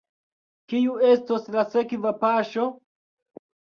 Kiu estos la sekva paŝo?